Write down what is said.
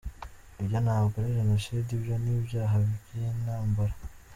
ibyo ntabwo ari Jenoside ibyo ni ibyaha by’intambara.